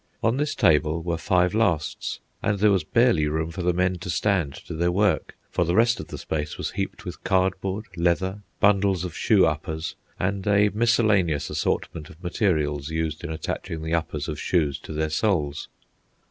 On this table were five lasts, and there was barely room for the men to stand to their work, for the rest of the space was heaped with cardboard, leather, bundles of shoe uppers, and a miscellaneous assortment of materials used in attaching the uppers of shoes to their soles.